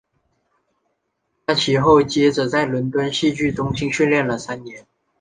他其后接着在伦敦戏剧中心训练了三年。